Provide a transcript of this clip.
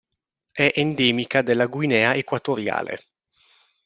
È endemica della Guinea Equatoriale.